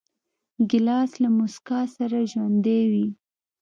ګیلاس له موسکا سره ژوندی وي.